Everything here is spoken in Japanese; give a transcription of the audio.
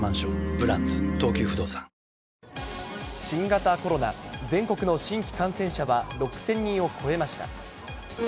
新型コロナ、全国の新規感染者は、６０００人を超えました。